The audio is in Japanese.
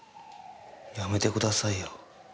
やめてくださいよ。